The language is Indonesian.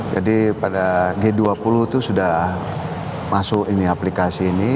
jadi pada g dua puluh itu sudah masuk aplikasi ini